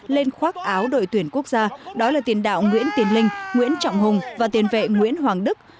lên khoác áo đội tuyển quốc gia đó là tiền đạo nguyễn tiến linh nguyễn trọng hùng và tiền vệ nguyễn hoàng đức